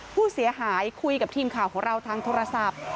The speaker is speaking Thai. ผู้เสียหายคุยกับทีมข่าวของเราทางโทรศัพท์